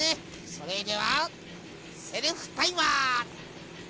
それではセルフタイマーオン！